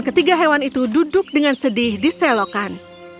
ketiga hewan itu duduk dengan sedih di selokan